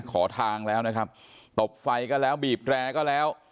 ขอทางแล้วนะครับตบไฟก็แล้วบีบแรร์ก็แล้ว